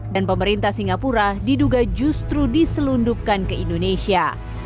dan pemerintah singapura diduga justru diselundupkan ke indonesia